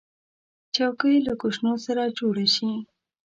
چوکۍ له کوشنو سره جوړه شي.